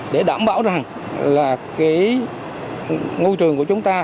để đảm bảo rằng là cái môi trường của chúng ta